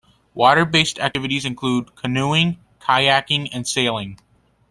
Water based activities include canoeing, kayaking and sailing.